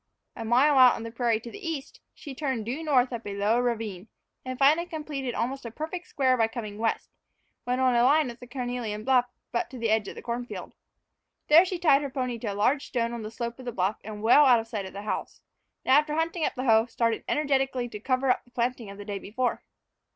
A mile out on the prairie to the east, she turned due north up a low ravine; and finally completed almost a perfect square by coming west, when on a line with the carnelian bluff, to the edge of the corn field. There she tied her pony to a large stone on the slope of the bluff and well out of sight of the house, and, after hunting up the hoe, started energetically to cover up the planting of the day before.